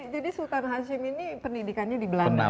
jadi sultan hasim ini pendidikannya di belanda ya